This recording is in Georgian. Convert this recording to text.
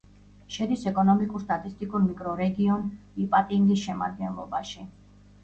შედის ეკონომიკურ-სტატისტიკურ მიკრორეგიონ იპატინგის შემადგენლობაში.